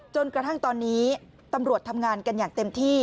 จนกระทั่งตอนนี้ตำรวจทำงานกันอย่างเต็มที่